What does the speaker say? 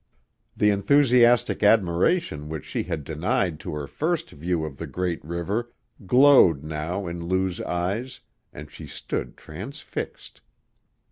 The enthusiastic admiration which she had denied to her first view of the great river glowed now in Lou's eyes, and she stood transfixed.